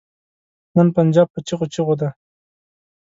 نن پنجاب په چيغو چيغو دی.